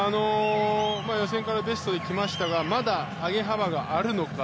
予選からベストできましたがまだ上げ幅があるのか。